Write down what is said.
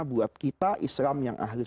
buat kita islam yang ahli sunnah